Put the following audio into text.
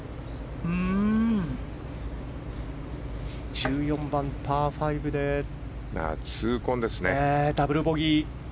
１４番、パー５でダブルボギー。